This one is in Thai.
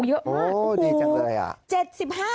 โหดีจังเลยอะ